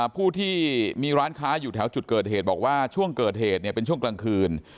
ผู้ที่มีร้านค้าอยู่แถวจุดเกิดเหตุบอกว่าช่วงเกิดเหตุเป็นช่วงกลางคืน